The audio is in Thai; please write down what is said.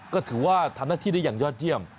ก็ถือว่าทำหน้าที่ได้อย่างยอดเยี่ยม